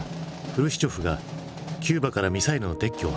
フルシチョフがキューバからミサイルの撤去を発表。